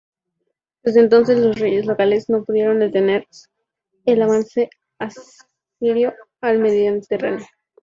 Desde entonces los reyes locales no pudieron detener el avance asirio al Mediterráneo.